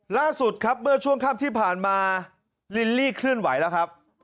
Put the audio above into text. ล่าสุดครับเมื่อช่วงค่ำที่ผ่านมาลิลลี่เคลื่อนไหวแล้วครับ